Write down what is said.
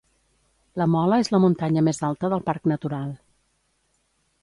La Mola és la muntanya més alta del Parc Natural.